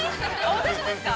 私ですか。